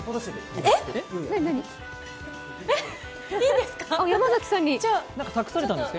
え、いいんですか？